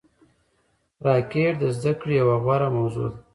راکټ د زده کړې یوه غوره موضوع ده